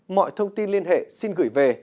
mọi thông tin liên hệ xin gửi về